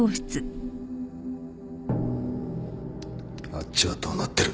あっちはどうなってる？